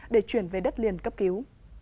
để chuyển về đất liền cấp cứu